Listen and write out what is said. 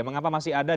mengapa masih ada